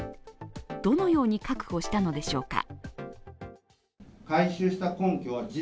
どのように確保したのでしょうか。